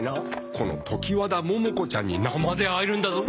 この常磐田モモ子ちゃんに生で会えるんだぞ！